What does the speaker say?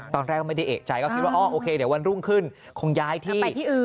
ตอนแรกก็ไม่ได้เอกใจก็คิดว่าอ๋อโอเคเดี๋ยววันรุ่งขึ้นคงย้ายที่อื่น